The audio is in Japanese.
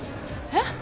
えっ！？